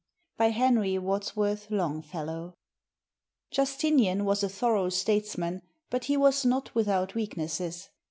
] BY HENRY WADSWORTH LONGFELLOW [Justinian was a thorough statesman, but he was not with out weaknesses.